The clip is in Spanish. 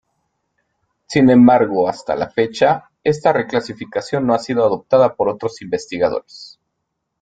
Sin embargo, hasta la fecha, esta reclasificación no ha sido adoptada por otros investigadores.